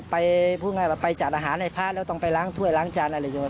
ก็ไปพูดง่ายไปจัดอาหารให้พาแล้วต้องไปล้างถ้วยล้างจานอะไรอยุ่